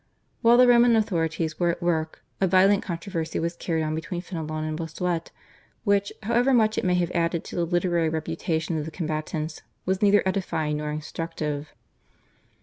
While the Roman authorities were at work a violent controversy was carried on between Fenelon and Bossuet, which, however much it may have added to the literary reputation of the combatants, was neither edifying nor instructive.